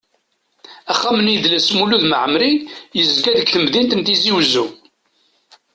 Axxam n yidles Mulud Mɛemmeri yezga deg temdint n Tizi Uzzu.